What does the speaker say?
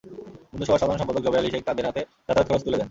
বন্ধুসভার সাধারণ সম্পাদক জবের আলী শেখ তাঁদের হাতে যাতায়াত খরচ তুলে দেন।